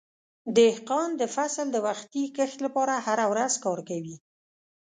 دهقان د فصل د وختي کښت لپاره هره ورځ کار کوي.